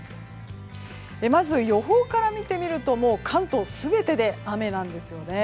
まず予報から見てみると関東全てで雨なんですよね。